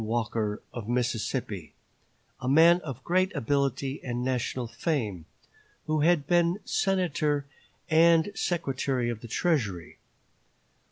Walker, of Mississippi, a man of great ability and national fame, who had been Senator and Secretary of the Treasury.